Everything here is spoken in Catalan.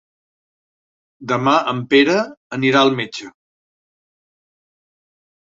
Demà en Pere anirà al metge.